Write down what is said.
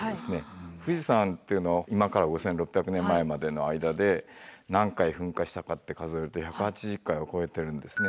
富士山っていうのは今から５，６００年前までの間で何回噴火したかって数えると１８０回を超えてるんですね。